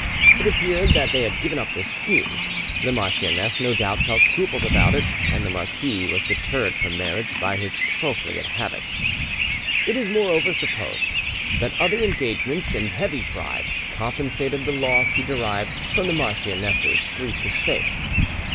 It appeared that they had given up this scheme. The marchioness no doubt felt scruples about it, and the marquis was deterred from marriage by his profligate habits. It is moreover supposed that other engagements and heavy bribes compensated the loss he derived from the marchioness's breach of faith.